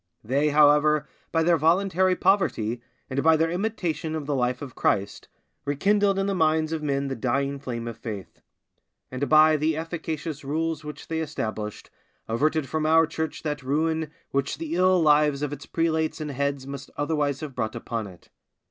They, however, by their voluntary poverty, and by their imitation of the life of Christ, rekindled in the minds of men the dying flame of faith; and by the efficacious rules which they established averted from our Church that ruin which the ill lives of its prelates and heads must otherwise have brought upon it.